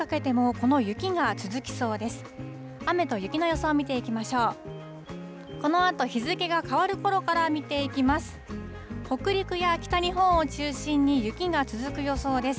このあと、日付が変わるころから見ていきます。